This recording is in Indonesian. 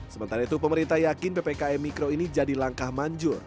sementara itu pemerintah yakin ppkm mikro ini jadi langkah manjur